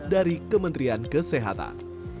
dari kementrian kesehatan